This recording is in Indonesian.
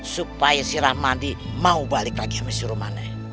supaya si rahmadi mau balik lagi sama si rumane